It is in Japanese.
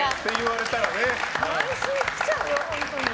毎週来ちゃうよ、本当に。